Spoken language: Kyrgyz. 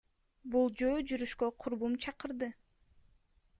Бул жөө жүрүшкө курбум чакырды.